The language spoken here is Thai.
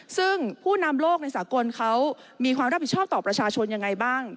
ซึ่งผู้นำโลกในสากลเขามีความรับผิดชอบต่อประชาชนยังไงบ้าง